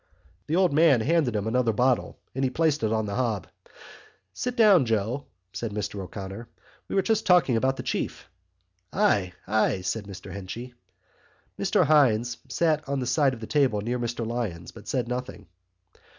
The old man handed him another bottle and he placed it on the hob. "Sit down, Joe," said Mr O'Connor, "we're just talking about the Chief." "Ay, ay!" said Mr Henchy. Mr Hynes sat on the side of the table near Mr Lyons but said nothing.